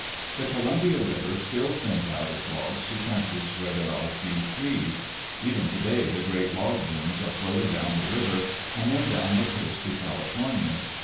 The Columbia River still sends out its logs to countries where there are few trees. Even today the great log booms are floated down the river, and then down the coast to California.